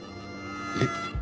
えっ？